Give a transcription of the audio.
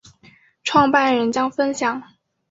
创办人将分享